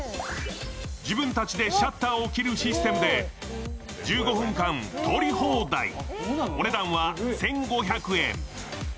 自分たちでシャッターを切るシステムで１５分間撮り放題、お値段は１５００円。